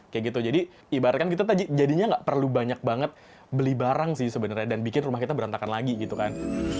kayak gitu jadi ibaratkan kita jadinya nggak perlu banyak banget beli barang sih sebenarnya dan bikin rumah kita berantakan lagi gitu kan